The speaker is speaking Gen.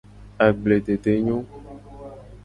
Agbledede nyo.